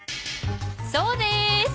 そうです。